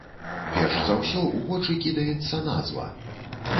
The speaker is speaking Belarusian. Перш за ўсё ў вочы кідаецца назва.